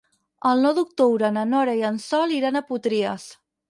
El nou d'octubre na Nora i en Sol iran a Potries.